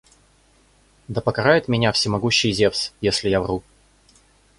Да покарает меня всемогущий Зевс, если я вру!